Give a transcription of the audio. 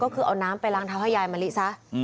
ก็คือเอาน้ำไปล้างเท้าให้ยายมะลิซะ